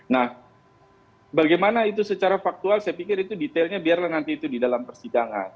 nah bagaimana itu secara faktual saya pikir itu detailnya biarlah nanti itu di dalam persidangan